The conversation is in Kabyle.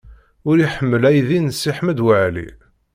Ur iḥemmel aydi n Si Ḥmed Waɛli.